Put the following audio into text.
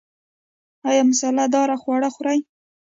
ایا مساله داره خواړه خورئ؟